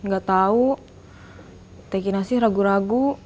gak tau teh kinasi ragu ragu